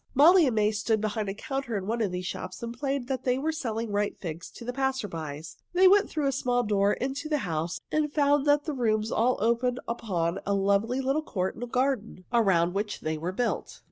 Molly and May stood behind the counter in one of these shops and played they were selling ripe figs to the passers by. They went through a small door into the house and found that the rooms all opened upon a lovely little court and garden, around which they were built.